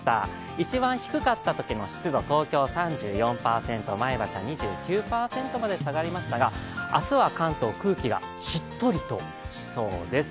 一番低かったときの湿度、東京３４％、前橋は２９％まで下がりましたが、明日は関東、空気がしっとりとしそうです。